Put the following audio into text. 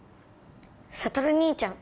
悟兄ちゃん